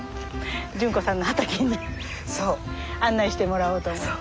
潤子さんの畑に案内してもらおうと思って。